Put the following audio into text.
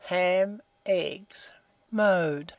Ham; eggs. Mode.